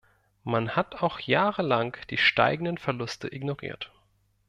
Man hat auch jahrelang die steigenden Verluste ignoriert.